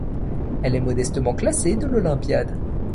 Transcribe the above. Elle est modestement classée de l'olympiade.